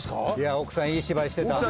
奥さんいい芝居してた。